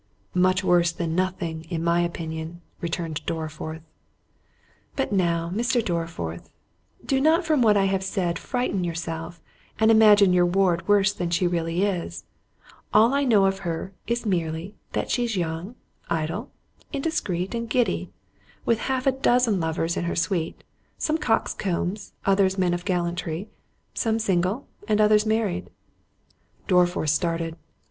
"Much worse than nothing, in my opinion," returned Dorriforth. "But now, Mr. Dorriforth, do not from what I have said, frighten yourself, and imagine your ward worse than she really is—all I know of her, is merely, that she's young, idle, indiscreet, and giddy, with half a dozen lovers in her suite; some coxcombs, others men of gallantry, some single, and others married." Dorriforth started.